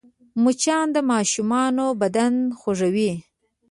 مچان د ماشومانو بدن خوږوي